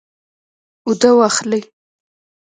اوده واخلئ